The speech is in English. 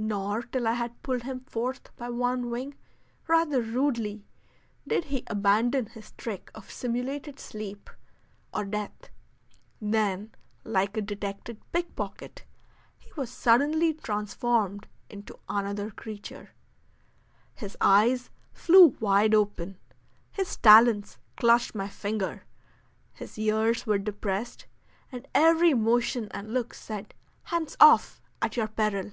Nor till I had pulled him forth by one wing, rather rudely, did he abandon his trick of simulated sleep or death. Then, like a detected pickpocket, he was suddenly transformed into another creature. His eyes flew wide open, his talons clutched my finger, his ears were depressed, and every motion and look said, "Hands off, at your peril."